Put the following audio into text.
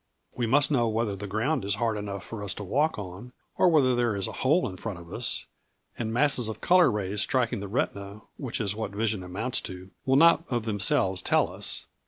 We must know whether the ground is hard enough for us to walk on, or whether there is a hole in front of us; and masses of colour rays striking the retina, which is what vision amounts to, will not of themselves tell us.